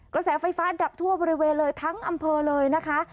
กระแสไฟฟ้าดับทั่วบริเวณเลยทั้งอำเภอเลยนะคะ